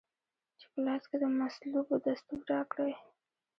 چي په لاس کې د مصلوبو دستور راکړی